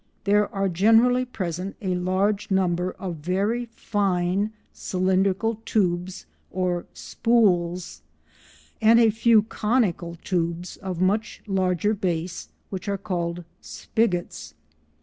There are generally present a large number of very fine cylindrical tubes or "spools" and a few conical tubes of much larger base, which are called spigots.